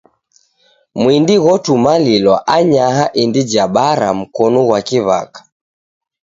Mwindi ghotumalilwa anyaha indi ja bara mkonu ghwa kiw'aka.